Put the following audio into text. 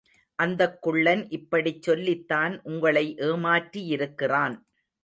அந்தக் குள்ளன் இப்படிச் சொல்லித்தான் உங்களை ஏமாற்றியிருக்கிறான்.